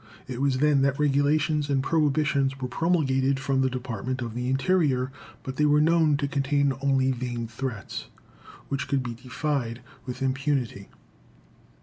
It was then that regulations and prohibitions were promulgated from the Department of the Interior, but they were known to contain only vain threats, which could be defied with impunity.